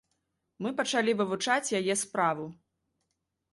Мы пачалі вывучаць яе справу.